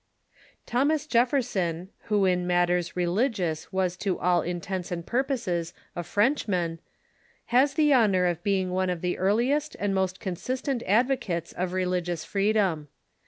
Thomas Jefferson, who in matters religious was to all in tents and purposes a Frenchman, has the honor of being one Tu r> .4 I *^*^' the earliest and most consistent advocates of The Gradual Emancipation religious freedom.